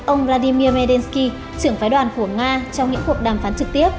ông vladimir melsky trưởng phái đoàn của nga trong những cuộc đàm phán trực tiếp